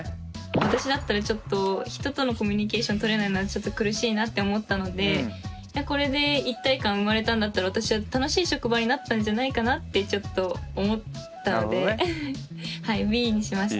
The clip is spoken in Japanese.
私だったらちょっと人とのコミュニケーションとれないのはちょっと苦しいなって思ったのでこれで一体感生まれたんだったら私は楽しい職場になったんじゃないかなってちょっと思ったのではいＢにしました。